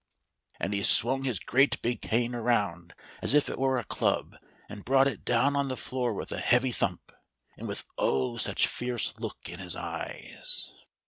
And he swung his great big cane around as if it were a club, and brought it down on the floor with a heavy thump, and with oh ! such fierce look in his eyes.